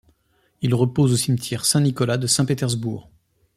Il repose au Cimetière Saint-Nicolas de Saint-Pétersbourg.